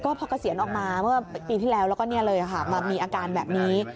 ก็พอกเกษียณออกมาปีที่แล้วแล้วมีอาการแบบนี้